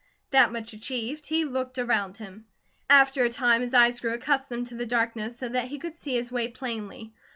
That much achieved, he looked around him. After a time his eyes grew accustomed to the darkness, so that he could see his way plainly.